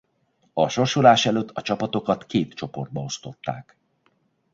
A sorsolás előtt a csapatokat két csoportba osztották.